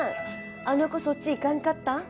あの子そっち行かんかった？